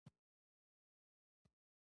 اسلام په نړۍ راج چلاؤ.